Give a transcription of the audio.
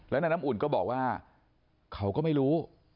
แล้วนายน้ำอุ่นก็บอกว่าเขาก็ไม่รู้